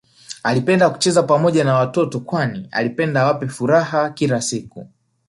Alipenda kucheza Pamoja na watoto kwani alipenda awape furaha kila siku